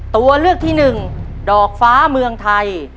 ตัวเลือกที่หนึ่งดอกฟ้าเมืองไทย